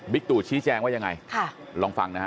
ตู่ชี้แจงว่ายังไงลองฟังนะฮะ